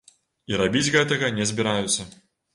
І рабіць гэтага не збіраюцца.